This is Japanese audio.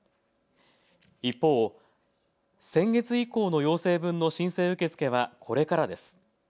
一方、先月以降の要請分の申請受け付けはこれからです。